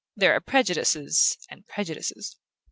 "There are prejudices and prejudices.